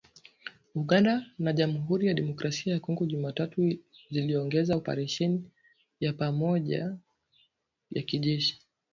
Uganda na Jamhuri ya Kidemokrasi ya Kongo Jumatano ziliongeza operesheni ya pamoja ya kijeshi